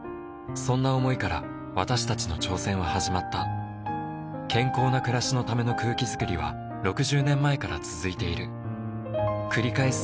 そんな想いから私たちの挑戦は始まった健康な暮らしのための空気づくりは６０年前から続いている繰り返す